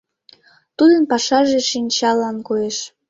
Тудын пашаже шинчалан коеш.